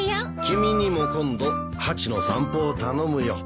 君にも今度ハチの散歩を頼むよ。